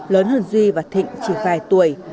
lớn hơn duy và thịnh chỉ vài tuổi